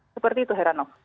seperti itu herano